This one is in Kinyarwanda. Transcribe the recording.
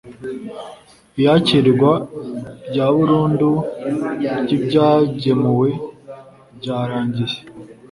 iyakirwa rya burundu ryibyagemuwe ryarangiye